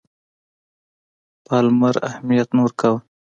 پالمر اهمیت نه ورکاوه.